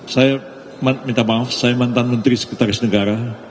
saya minta maaf saya mantan menteri sekretaris negara